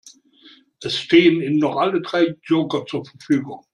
Es stehen Ihnen noch alle drei Joker zur Verfügung.